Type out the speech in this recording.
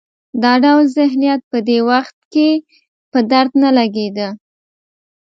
دا ډول ذهنیت په دې وخت کې په درد نه لګېده.